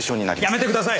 やめてください！